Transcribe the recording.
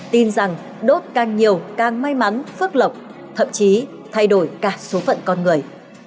tin rằng đốt càng nhiều càng may mắn phức lọc thậm chí thay đổi cả số phận con người